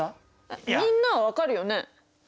みんなは分かるよね！